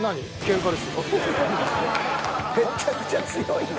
めっちゃくちゃ強いんや。